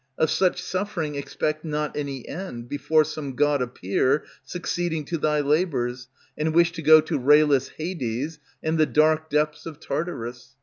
Of such suffering expect not any end, Before some god appear Succeeding to thy labors, and wish to go to rayless Hades, and the dark depths of Tartarus.